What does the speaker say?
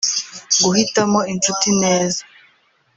Guhitamo inshuti neza